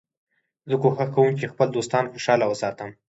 زه کوښښ کوم چي خپل دوستان خوشحاله وساتم.